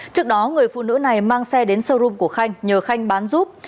trước đó người phụ nữ này mang xe đến showroom của khanh nhờ khanh bán giúp